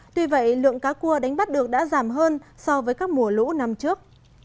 tuy vậy lượng cá cua đánh bắt được đã giảm hơn so với các mùa lũ năm trước